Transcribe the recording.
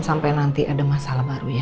sampai nanti ada masalah baru ya